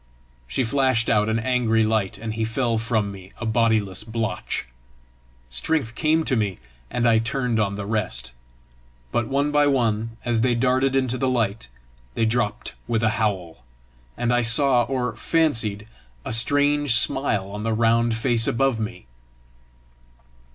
She flashed out an angry light, and he fell from me a bodiless blotch. Strength came to me, and I turned on the rest. But one by one as they darted into the light, they dropped with a howl; and I saw or fancied a strange smile on the round face above me.